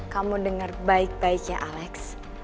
kamu dengar baik baiknya alex